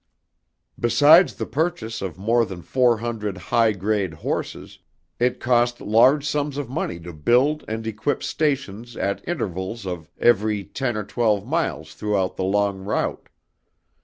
Besides the purchase of more than four hundred high grade horses, it cost large sums of money to build and equip stations at intervals of every ten or twelve miles throughout the long route.